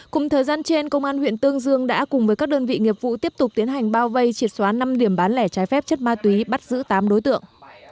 cùng thời gian trên công an huyện tương dương đã cùng với các đơn vị nghiệp vụ tiếp tục tiến hành bao vây triệt xóa năm điểm bán lẻ trái phép chất ma túy bắt giữ tám đối tượng